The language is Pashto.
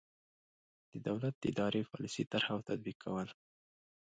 د دولت د اداري پالیسۍ طرح او تطبیق کول.